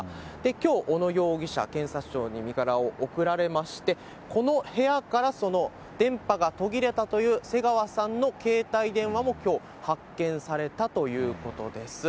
きょう、小野容疑者、検察庁に身柄を送られまして、この部屋からその電波が途切れたという瀬川さんの携帯電話もきょう、発見されたということです。